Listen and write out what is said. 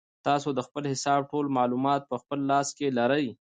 تاسو د خپل حساب ټول معلومات په خپل لاس کې لرئ.